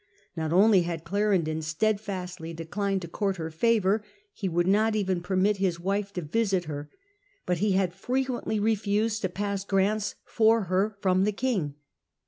Not only had Clarendon's Clarendon steadfastly declined to court her enemies. favour — he would not even permit his wife to visit her — but he had frequently refused to pass grants for her from the King.